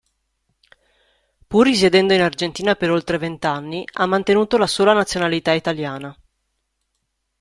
Pur risiedendo in Argentina per oltre vent'anni, ha mantenuto la sola nazionalità italiana.